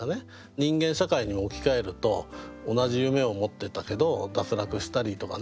人間社会に置き換えると同じ夢を持ってたけど脱落したりとかね